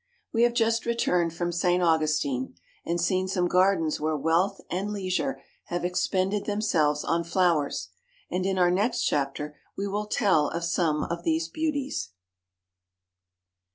We have just returned from St. Augustine, and seen some gardens where wealth and leisure have expended themselves on flowers; and in our next chapter we will tell of some of these beauties.